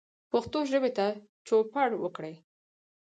پښتو ژبې ته چوپړ وکړئ